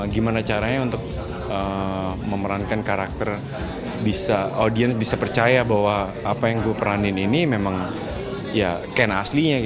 gimana caranya untuk memerankan karakter bisa audiens bisa percaya bahwa apa yang gue peranin ini memang ya ken aslinya